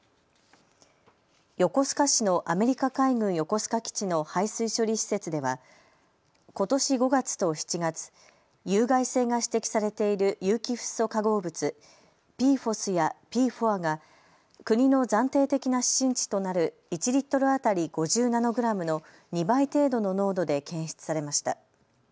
横須賀市のアメリカ海軍横須賀基地の排水処理施設ではことし５月と７月、有害性が指摘されている有機フッ素化合物、ＰＦＯＳやＰＦＯＡが国の暫定的な指針値となる１リットル当たり５０ナノグラムの２倍程度の濃度で検出されました。